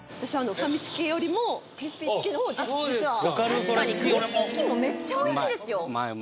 ファミチキよりもクリスピーチキンのほうが実は確かにクリスピーチキンもめっちゃ美味しいですよ